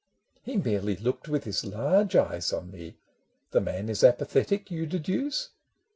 " He merely looked with his large eyes on me. The man is apathetic, you deduce?